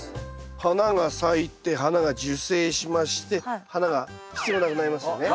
花が咲いて花が受精しまして花が必要なくなりますよね。